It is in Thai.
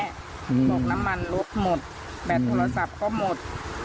บอกน้ำมันลกหมดแบตโทรศัพท์ก็หมด